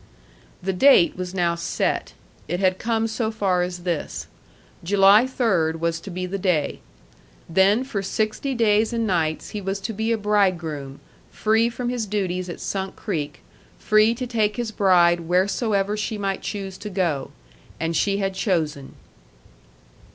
The date was now set. It had come so far as this. July third was to be the day. Then for sixty days and nights he was to be a bridegroom, free from his duties at Sunk Creek, free to take his bride wheresoever she might choose to go. And she had chosen.